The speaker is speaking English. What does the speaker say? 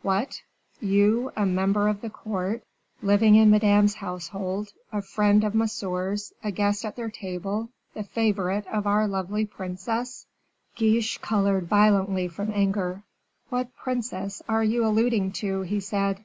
"What! you, a member of the court, living in Madame's household, a friend of Monsieur's, a guest at their table, the favorite of our lovely princess?" Guiche colored violently from anger. "What princess are you alluding to?" he said.